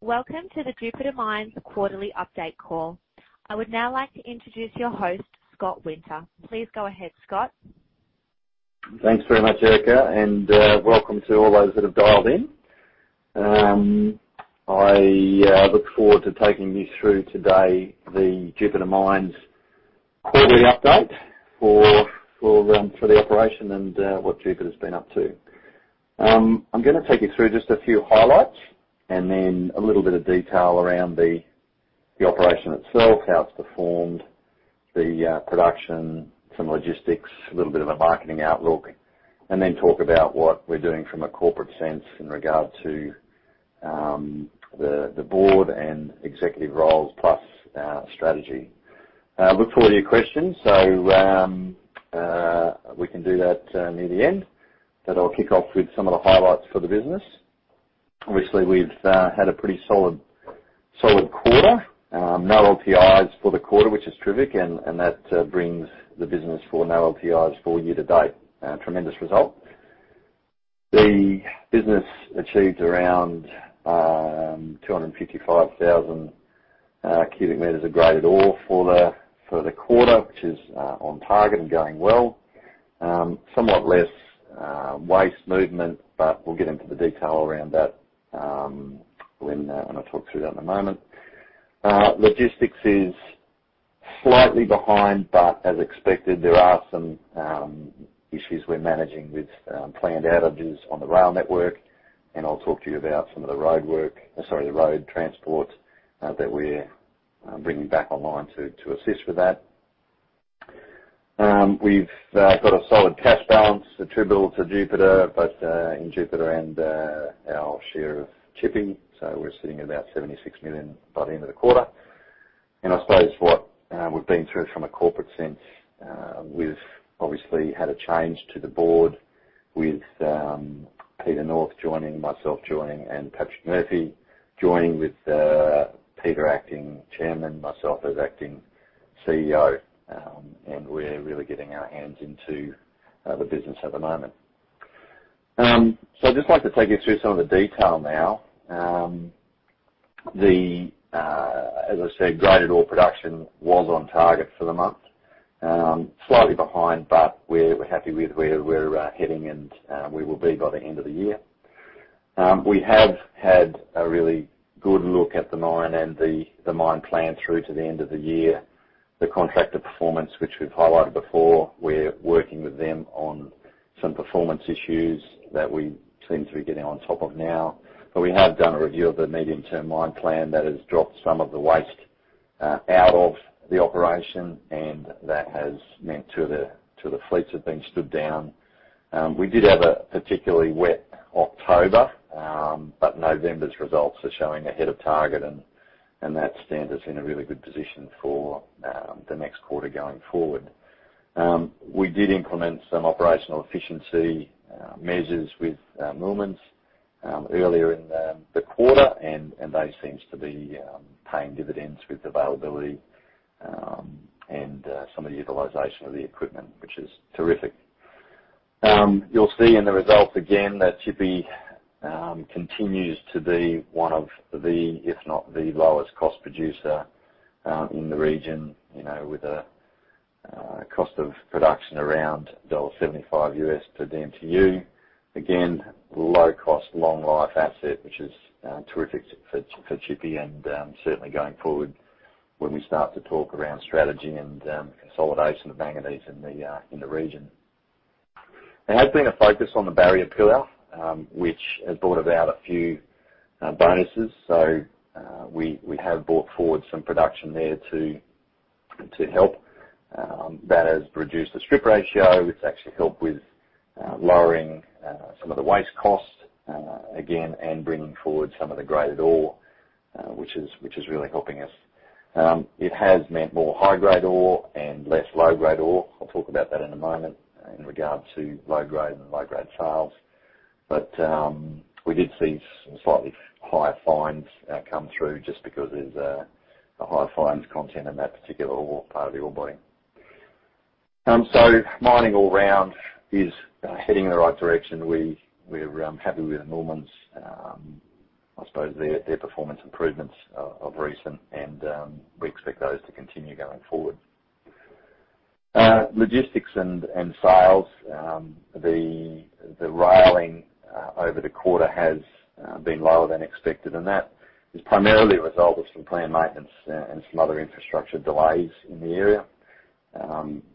Welcome to the Jupiter Mines Quarterly Update Call. I would now like to introduce your host, Scott Winter. Please go ahead, Scott. Thanks very much, Erica, and welcome to all those that have dialed in. I look forward to taking you through today the Jupiter Mines Quarterly update for the operation and what Jupiter's been up to. I'm gonna take you through just a few highlights and then a little bit of detail around the operation itself, how it's performed, the production, some logistics, a little bit of a marketing outlook, and then talk about what we're doing from a corporate sense in regard to the board and executive roles plus strategy. Look forward to your questions. We can do that near the end. I'll kick off with some of the highlights for the business. Obviously, we've had a pretty solid quarter. No LPIs for the quarter, which is terrific, and that brings the business to no LPIs year to date. Tremendous result. The business achieved around 255,000 cubic meters of graded ore for the quarter, which is on target and going well. Somewhat less waste movement, but we'll get into the detail around that when I talk through that in a moment. Logistics is slightly behind, but as expected, there are some issues we're managing with planned outages on the rail network, and I'll talk to you about some of the roadwork, sorry, the road transport that we're bringing back online to assist with that. We've got a solid cash balance attributable to Jupiter, both in Jupiter and our share of Tshipi. We're sitting at about 76 million by the end of the quarter. I suppose what we've been through from a corporate sense, we've obviously had a change to the board with Peter North joining, myself joining, and Patrick Murphy joining with Peter as Acting Chairman, myself as Acting CEO. We're really getting our hands into the business at the moment. I'd just like to take you through some of the detail now. As I said, graded ore production was on target for the month. Slightly behind, but we're happy with where we're heading and where we'll be by the end of the year. We have had a really good look at the mine and the mine plan through to the end of the year. The contractor performance, which we've highlighted before, we're working with them on some performance issues that we seem to be getting on top of now. We have done a review of the medium-term mine plan that has dropped some of the waste out of the operation, and that has meant two of the fleets have been stood down. We did have a particularly wet October, but November's results are showing ahead of target and that stands us in a really good position for the next quarter going forward. We did implement some operational efficiency measures with Normans earlier in the quarter, and those seems to be paying dividends with availability and some of the utilization of the equipment, which is terrific. You'll see in the results again that Tshipi continues to be one of the, if not the lowest cost producer in the region, you know, with a cost of production around $75 per dmtu. Again, low cost, long life asset, which is terrific for Tshipi and certainly going forward when we start to talk around strategy and consolidation of manganese in the region. There has been a focus on the barrier pillar, which has brought about a few bonuses. We have brought forward some production there to help. That has reduced the strip ratio. It's actually helped with lowering some of the waste costs, again, and bringing forward some of the graded ore, which is really helping us. It has meant more high-grade ore and less low-grade ore. I'll talk about that in a moment in regard to low grade and low-grade sales. We did see some slightly higher fines come through just because there's a high fines content in that particular ore, part of the ore body. Mining all round is heading in the right direction. We're happy with Normans', I suppose, their performance improvements of recent, and we expect those to continue going forward. Logistics and sales, the railing over the quarter has been lower than expected, and that is primarily a result of some planned maintenance and some other infrastructure delays in the area.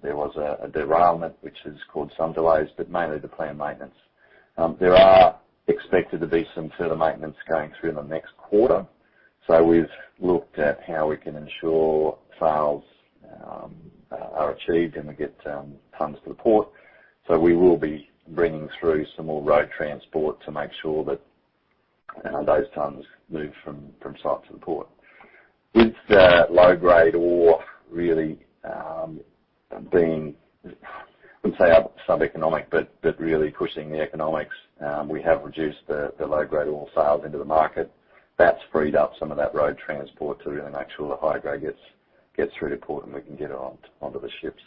There was a derailment, which has caused some delays, but mainly the planned maintenance. There are expected to be some further maintenance going through in the next quarter. We've looked at how we can ensure sales are achieved and we get tons to the port. We will be bringing through some more road transport to make sure that those tons move from site to the port. With the low-grade ore really being, I wouldn't say sub-economic, but really pushing the economics, we have reduced the low-grade ore sales into the market. That's freed up some of that road transport to really make sure the high grade gets through to port, and we can get it onto the ships.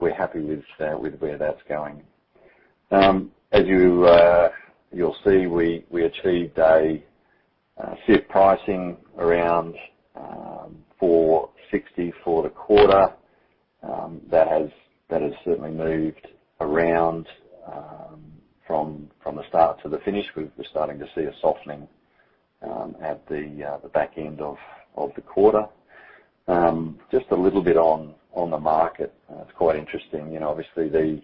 We're happy with where that's going. As you'll see, we achieved a ship pricing around 460 for the quarter. That has certainly moved around from the start to the finish. We're starting to see a softening at the back end of the quarter. Just a little bit on the market, and it's quite interesting. You know, obviously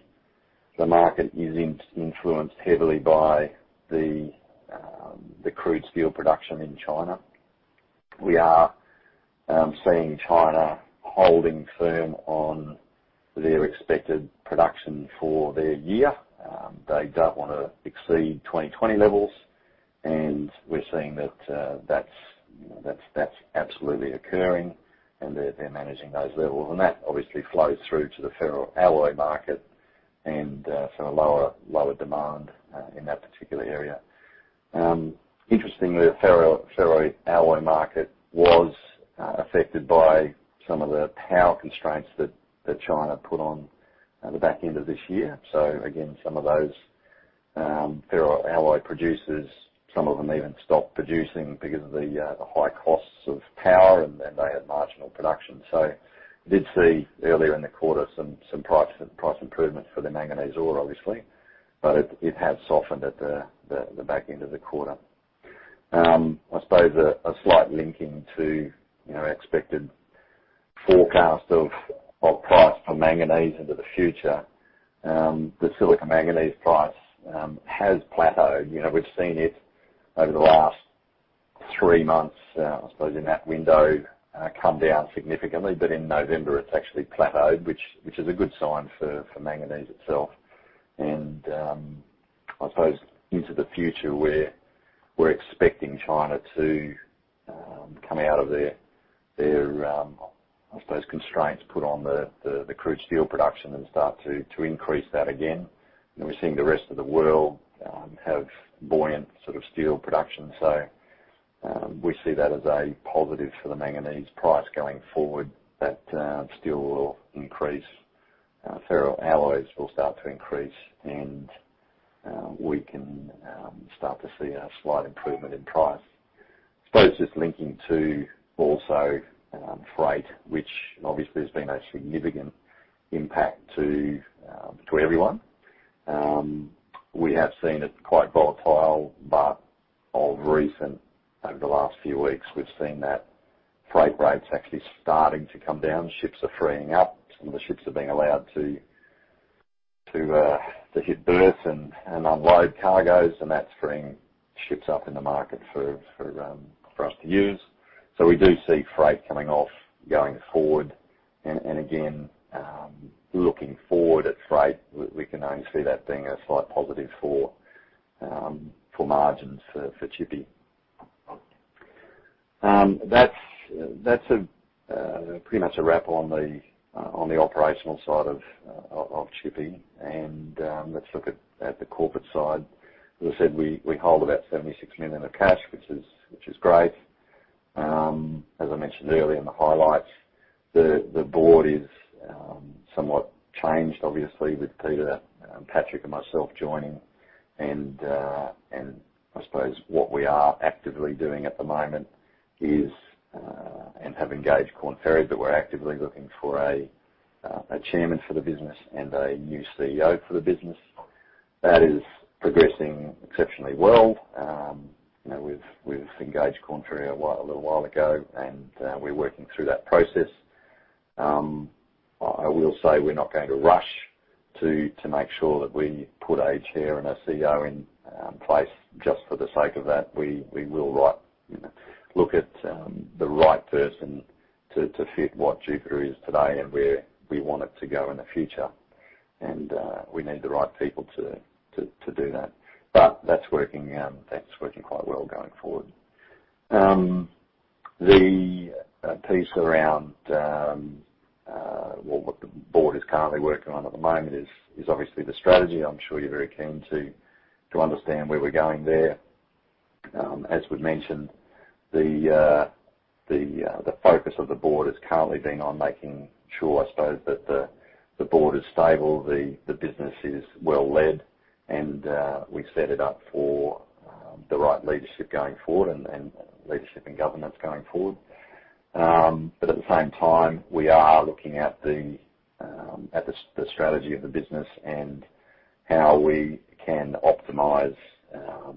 the market is influenced heavily by the crude steel production in China. We are seeing China holding firm on their expected production for their year. They don't wanna exceed 2020 levels, and we're seeing that, you know, that's absolutely occurring and they're managing those levels. That obviously flows through to the ferroalloy market and so a lower demand in that particular area. Interestingly, the ferroalloy market was affected by some of the power constraints that China put on the back end of this year. Again, some of those ferroalloy producers, some of them even stopped producing because of the high costs of power, and then they had marginal production. Did see earlier in the quarter some price improvements for the manganese ore, obviously. It has softened at the back end of the quarter. I suppose a slight linking to, you know, expected forecast of price for manganese into the future. The silico manganese price has plateaued. We've seen it over the last three months, I suppose in that window, come down significantly. In November, it's actually plateaued, which is a good sign for manganese itself. I suppose into the future, we're expecting China to come out of their I suppose, constraints put on the crude steel production and start to increase that again. We're seeing the rest of the world have buoyant sort of steel production. We see that as a positive for the manganese price going forward, that steel will increase, ferroalloys will start to increase and we can start to see a slight improvement in price. I suppose just linking to also freight, which obviously has been a significant impact to everyone. We have seen it quite volatile, but of recent, over the last few weeks, we've seen that freight rates actually starting to come down. Ships are freeing up. Some of the ships are being allowed to hit berths and unload cargos, and that's freeing ships up in the market for us to use. We do see freight coming off going forward. Looking forward at freight, we can only see that being a slight positive for margins for Tshipi. That's pretty much a wrap on the operational side of Tshipi. Let's look at the corporate side. As I said, we hold about 76 million of cash, which is great. As I mentioned earlier in the highlights, the board is somewhat changed, obviously, with Peter, Patrick and myself joining. I suppose what we are actively doing at the moment is and have engaged Korn Ferry, that we're actively looking for a chairman for the business and a new CEO for the business. That is progressing exceptionally well. We've engaged Korn Ferry a little while ago, and we're working through that process. I will say we're not going to rush to make sure that we put a chair and a CEO in place just for the sake of that. We will, right, you know, look at the right person to fit what Jupiter is today and where we want it to go in the future. We need the right people to do that. That's working quite well going forward. The piece around, well, what the board is currently working on at the moment is obviously the strategy. I'm sure you're very keen to understand where we're going there. As we've mentioned, the focus of the board has currently been on making sure, I suppose that the board is stable, the business is well led, and we set it up for the right leadership going forward and leadership and governance going forward. At the same time, we are looking at the strategy of the business and how we can optimize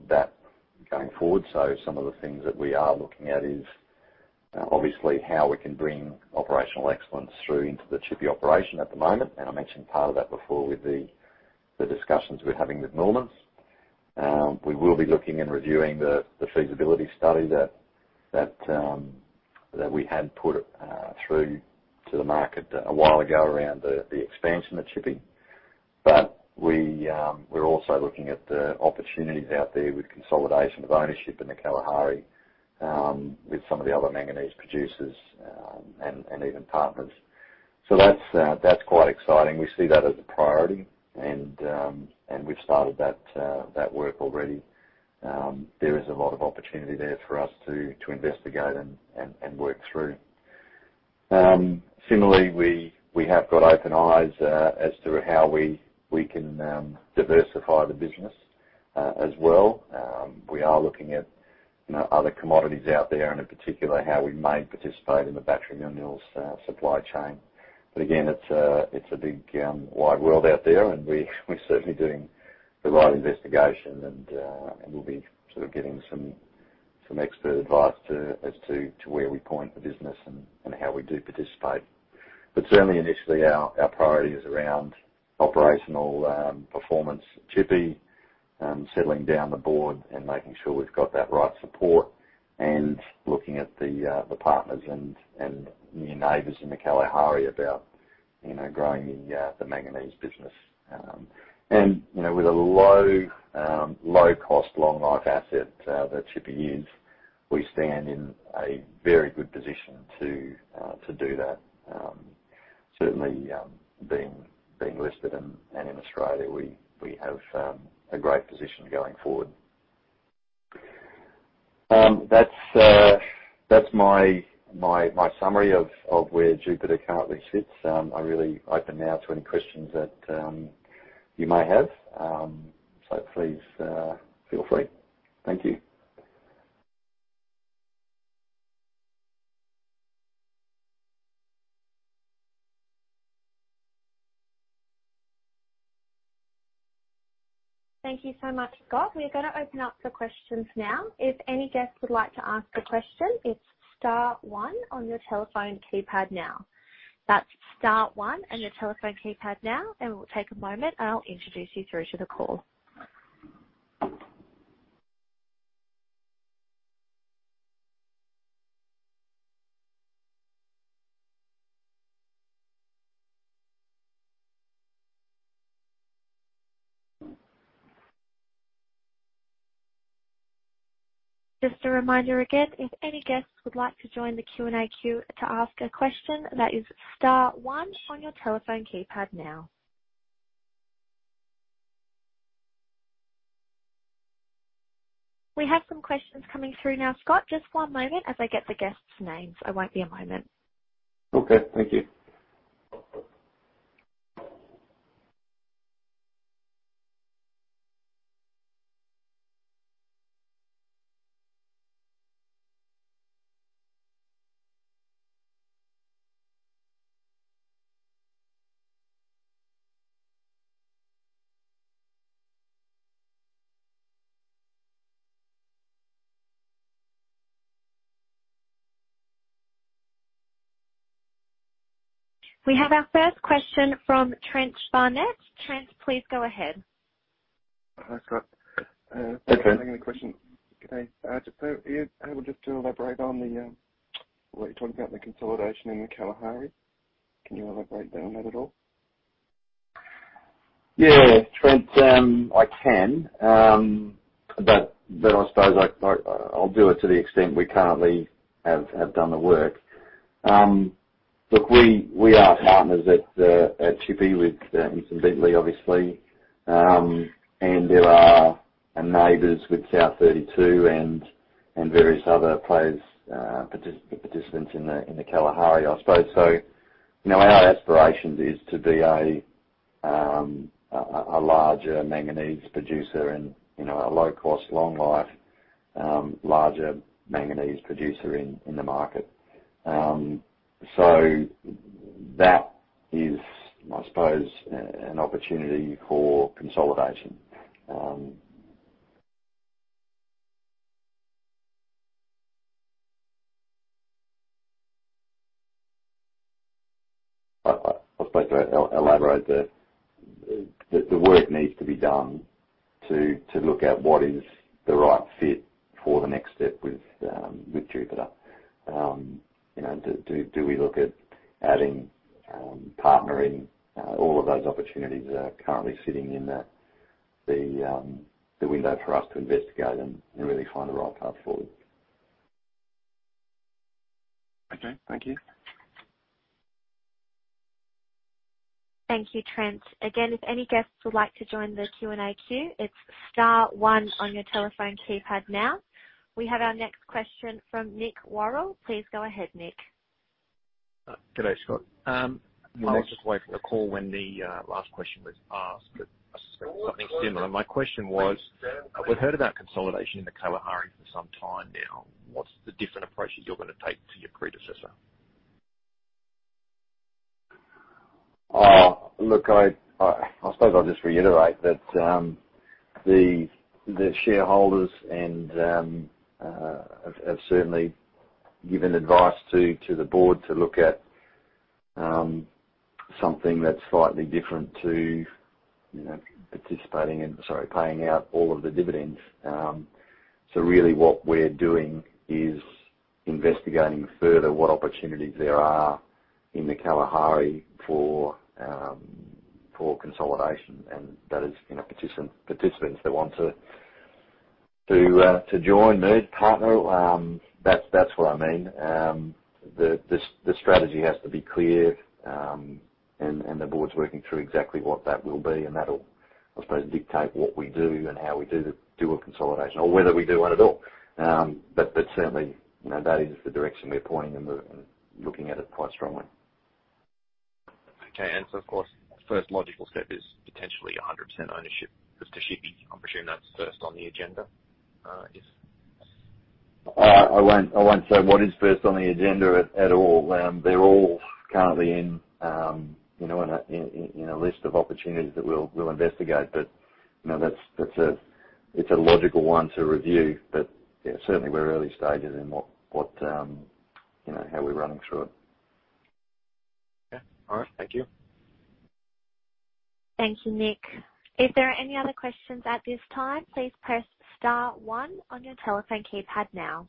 that going forward. Some of the things that we are looking at is obviously how we can bring operational excellence through into the Tshipi operation at the moment. I mentioned part of that before with the discussions we're having with Normans. We will be looking and reviewing the feasibility study that we had put through to the market a while ago around the expansion at Tshipi. We're also looking at the opportunities out there with consolidation of ownership in the Kalahari with some of the other manganese producers and even partners. That's quite exciting. We see that as a priority and we've started that work already. There is a lot of opportunity there for us to investigate and work through. Similarly, we have got open eyes as to how we can diversify the business as well. We are looking at, you know, other commodities out there, and in particular, how we may participate in the battery minerals supply chain. Again, it's a big wide world out there, and we're certainly doing the right investigation, and we'll be sort of getting some expert advice as to where we point the business and how we do participate. Certainly initially, our priority is around operational performance at Tshipi, settling down the board and making sure we've got that right support, and looking at the partners and new neighbors in the Kalahari about, you know, growing the manganese business. With a low cost, long life asset that Tshipi is, we stand in a very good position to do that. Certainly, being listed in, and in Australia, we have a great position going forward. That's my summary of where Jupiter currently sits. I'm really open now to any questions that you may have. Please feel free. Thank you. Thank you so much, Scott. We're gonna open up for questions now. If any guest would like to ask a question, it's star one on your telephone keypad now. That's star one on your telephone keypad now, and we'll take a moment, and I'll introduce you through to the call. Just a reminder, again, if any guests would like to join the Q&A queue to ask a question, that is star one on your telephone keypad now. We have some questions coming through now, Scott. Just one moment as I get the guests' names. I won't be a moment. Okay. Thank you. We have our first question from Trent Barnett. Trent, please go ahead. Hi, Scott. Okay. Thanks for taking the question. Okay, just, are you able just to elaborate on the, what you talked about, the consolidation in the Kalahari? Can you elaborate on that at all? Yeah, Trent, I can. I suppose I'll do it to the extent we currently have done the work. Look, we are partners at Tshipi with Mr. Bentley, obviously. There are neighbors with South32 and various other players, participants in the Kalahari, I suppose so. You know, our aspiration is to be a larger manganese producer and, you know, a low cost, long life, larger manganese producer in the market. That is, I suppose, an opportunity for consolidation. I suppose I'll elaborate there. The work needs to be done to look at what is the right fit for the next step with Jupiter. Do we look at adding partnering? All of those opportunities are currently sitting in the window for us to investigate and really find the right path forward. Okay. Thank you. Thank you, Trent. Again, if any guests would like to join the Q&A queue, it's star one on your telephone keypad now. We have our next question from Nick Warrell. Please go ahead, Nick. Good day, Scott. I was just waiting for the call when the last question was asked, but I suspect something similar. My question was, we've heard about consolidation in the Kalahari for some time now. What's the different approach that you're gonna take to your predecessor? Look, I suppose I'll just reiterate that the shareholders have certainly given advice to the board to look at something that's slightly different to, you know, paying out all of the dividends. Really what we're doing is investigating further what opportunities there are in the Kalahari for consolidation and that is, you know, participants that want to join, merge, partner. That's what I mean. The strategy has to be clear, and the board's working through exactly what that will be and that'll, I suppose, dictate what we do and how we do a consolidation or whether we do one at all. Certainly, you know, that is the direction we're pointing and looking at it quite strongly. Okay. Of course, first logical step is potentially 100% ownership of Tshipi. I presume that's first on the agenda, if. I won't say what is first on the agenda at all. They're all currently in, you know, in a list of opportunities that we'll investigate. You know, that's a logical one to review. Yeah, certainly we're early stages in what, you know, how we're running through it. Yeah. All right. Thank you. Thank you, Nick. If there are any other questions at this time, please press star one on your telephone keypad now.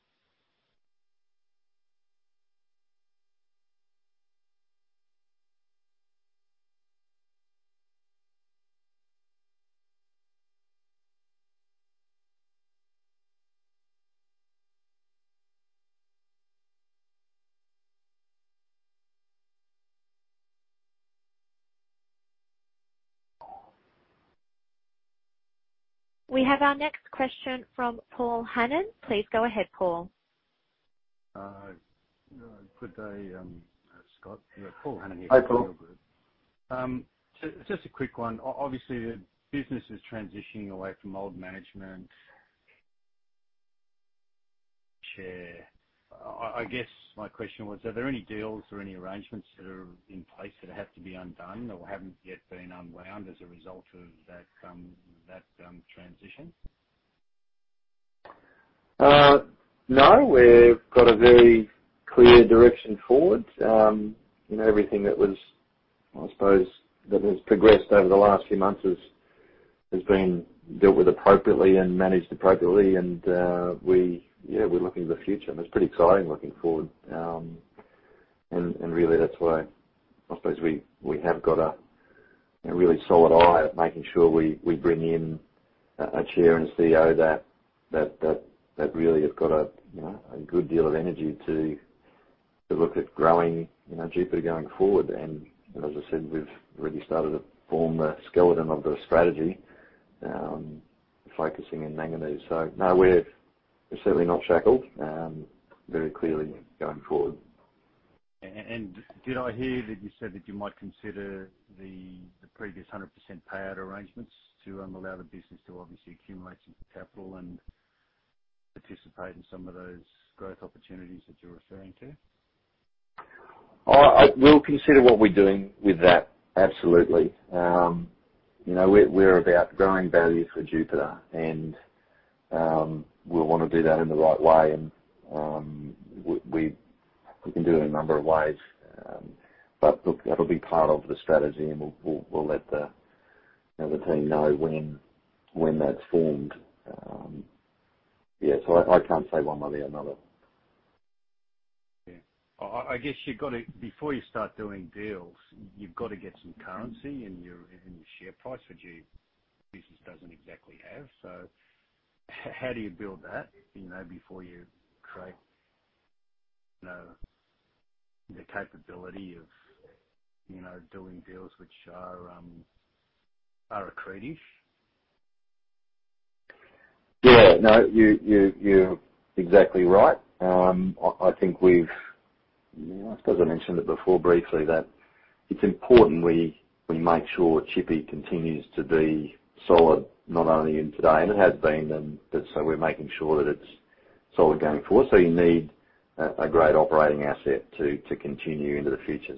We have our next question from Paul Hannon. Please go ahead, Paul. Good day, Scott. Paul Hannon here. Hi, Paul. From Regal Funds Management. Just a quick one. Obviously, the business is transitioning away from old management share. I guess my question was, are there any deals or any arrangements that are in place that have to be undone or haven't yet been unwound as a result of that transition? No. We've got a very clear direction forward. You know, everything, I suppose, that has progressed over the last few months has been dealt with appropriately and managed appropriately, and we're looking to the future, and it's pretty exciting looking forward. And really that's why I suppose we have got a really solid eye on making sure we bring in a chair and a CEO that really has got a, you know, a good deal of energy to look at growing, you know, Jupiter going forward. As I said, we've really started to form a skeleton of the strategy, focusing on manganese. No, we're certainly not shackled, very clearly going forward. Did I hear that you said that you might consider the previous 100% payout arrangements to allow the business to obviously accumulate some capital and participate in some of those growth opportunities that you're referring to? We'll consider what we're doing with that, absolutely. We're about growing value for Jupiter and we'll wanna do that in the right way and we can do it a number of ways. Look, that'll be part of the strategy and we'll let the team know when that's formed. Yeah, I can't say one way or another. Yeah. I guess before you start doing deals, you've gotta get some currency in your share price, which your business doesn't exactly have. How do you build that, you know, before you create, you know, the capability of, you know, doing deals which are accretive? Yeah. No, you're exactly right. I suppose I mentioned it before briefly, that it's important we make sure Tshipi continues to be solid, not only today, and it has been, but we're making sure that it's solid going forward. You need a great operating asset to continue into the future.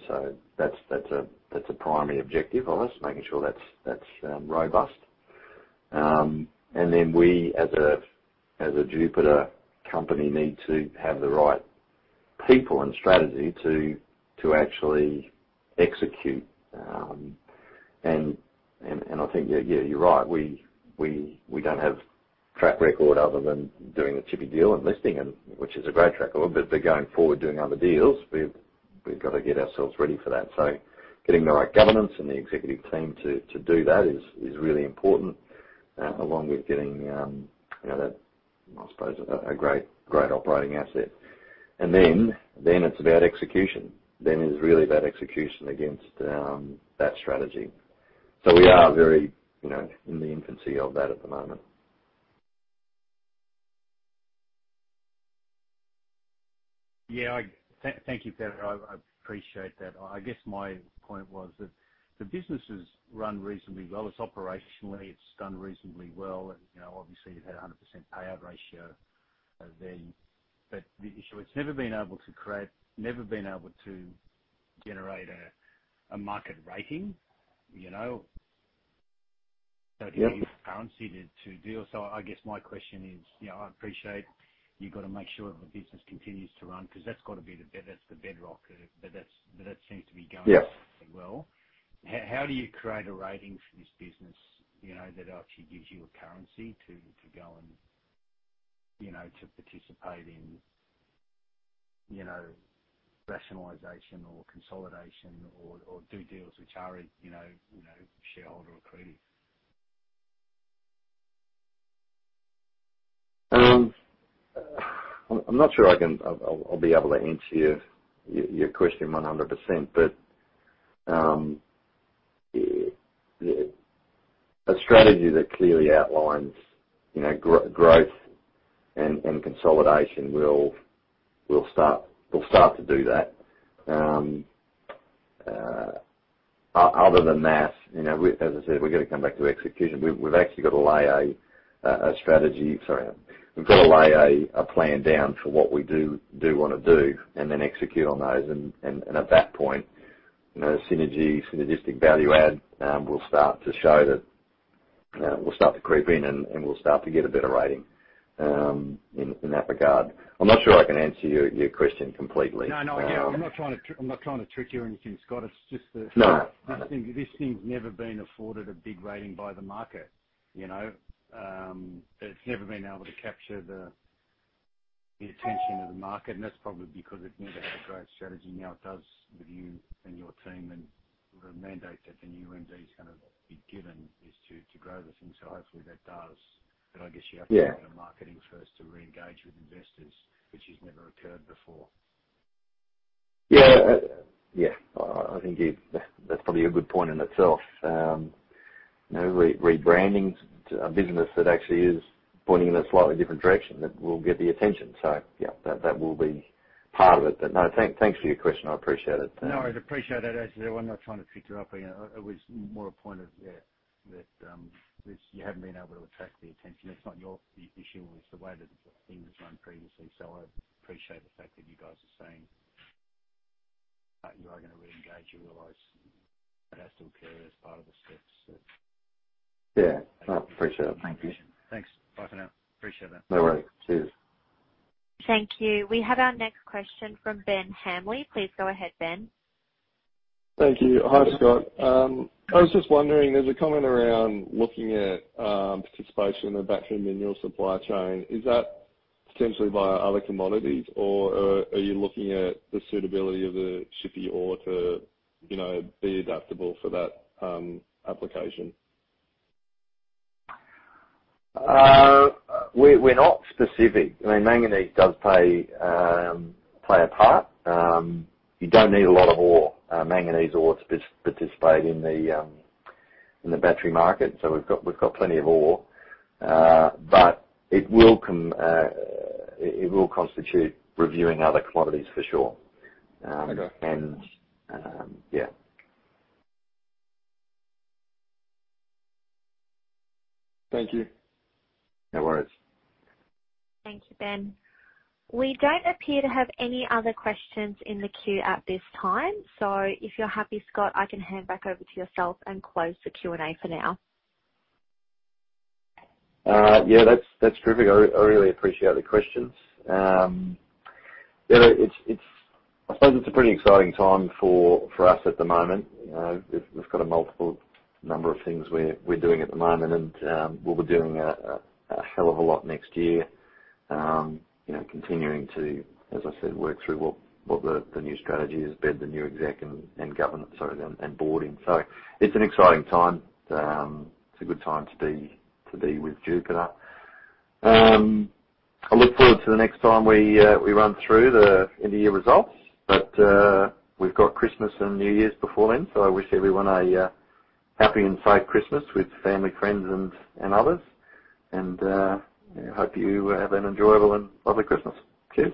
That's a primary objective of us, making sure that's robust. We as a Jupiter company need to have the right people and strategy to actually execute. I think you're right, we don't have track record other than doing the Tshipi deal and listing, which is a great track record. Going forward, doing other deals, we've gotta get ourselves ready for that. Getting the right governance and the executive team to do that is really important, along with getting you know that I suppose a great operating asset. It's about execution. It's really about execution against that strategy. We are very you know in the infancy of that at the moment. Yeah. Thank you, Peter. I appreciate that. I guess my point was that the business is run reasonably well. It's operationally done reasonably well and, you know, obviously you've had a 100% payout ratio then. The issue, it's never been able to generate a market rating, you know? Yeah. It needs currency to deal. I guess my question is, you know, I appreciate you've gotta make sure the business continues to run, 'cause that's gotta be the bedrock. But that seems to be going well. Yes. How do you create a rating for this business, you know, that actually gives you a currency to go and, you know, to participate in, you know, rationalization or consolidation or do deals which are, you know, shareholder accretive? I'm not sure I can. I'll be able to answer your question 100%. Yeah, a strategy that clearly outlines, you know, growth and consolidation will start to do that. Other than that, you know, as I said, we're gonna come back to execution. We've actually got to lay a plan down for what we wanna do and then execute on those. At that point, you know, synergistic value add will start to show that will start to creep in, and we'll start to get a better rating in that regard. I'm not sure I can answer your question completely. No, no. Yeah, I'm not trying to trick you or anything, Scott. It's just that- No. This thing's never been afforded a big rating by the market, you know? It's never been able to capture the attention of the market, and that's probably because it never had a growth strategy. Now it does with you and your team, and the mandate that the new MD is gonna be given is to grow this thing. Hopefully that does. I guess you have to go to marketing first to re-engage with investors, which has never occurred before. Yeah. I think that's probably a good point in itself. You know, rebranding the business that actually is pointing in a slightly different direction, that will get the attention. Yeah, that will be part of it. No, thanks for your question, I appreciate it. No, I appreciate it. As I said, I'm not trying to trip you up. It was more a point of, yeah, that this. You haven't been able to attract the attention. It's not your issue, it's the way that the thing was run previously. I appreciate the fact that you guys are saying that you are gonna re-engage. You realize it has to appear as part of the steps that- Yeah. No, I appreciate it. Thank you. Thanks. Bye for now. Appreciate that. No worry. Cheers. Thank you. We have our next question from Ben Hamley. Please go ahead, Ben. Thank you. Hi, Scott. I was just wondering, there's a comment around looking at participation in the battery mineral supply chain. Is that potentially via other commodities or are you looking at the suitability of the Tshipi ore to, you know, be adaptable for that application? We're not specific. I mean, manganese does play a part. You don't need a lot of ore, manganese ore to participate in the battery market. We've got plenty of ore. It will constitute reviewing other commodities for sure. Okay. Yeah. Thank you. No worries. Thank you, Ben. We don't appear to have any other questions in the queue at this time. If you're happy, Scott, I can hand back over to yourself and close the Q&A for now. Yeah, that's terrific. I really appreciate the questions. Yeah, it's a pretty exciting time for us at the moment. We've got a multiple number of things we're doing at the moment, and we'll be doing a hell of a lot next year, you know, continuing to, as I said, work through what the new strategy is, bed the new exec and governance, sorry, and board in. It's an exciting time. It's a good time to be with Jupiter. I look forward to the next time we run through the end of year results. We've got Christmas and New Year's before then, so I wish everyone a happy and safe Christmas with family, friends, and others. I hope you have an enjoyable and lovely Christmas. Cheers.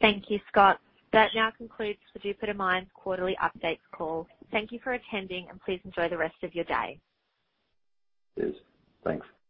Thank you, Scott. That now concludes the Jupiter Mines quarterly updates call. Thank you for attending, and please enjoy the rest of your day. Cheers. Thanks.